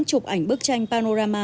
chụp ảnh bức tranh panorama